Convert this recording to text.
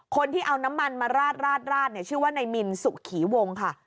คนที่เอาน้ำมันมาราดเนี่ยชื่อว่านายมินสุขีวงค่ะ